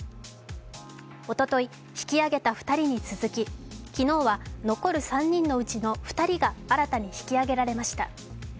おととい、引き揚げた２人に続き、昨日は、残る３人のうちの２人が新たに引き揚げられました。